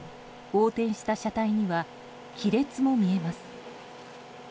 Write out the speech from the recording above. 横転した車体には亀裂も見えます。